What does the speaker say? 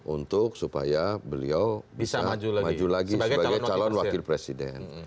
untuk supaya beliau bisa maju lagi sebagai calon wakil presiden